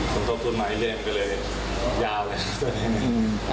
กรุงทรกษ์ทุนมานี่เลยเลยยาวแหละ